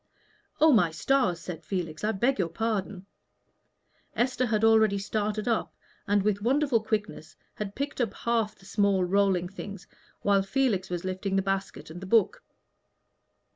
"Oh, my stars!" said Felix, "I beg your pardon." Esther had already started up, and with wonderful quickness had picked up half the small rolling things while Felix was lifting the basket and the book.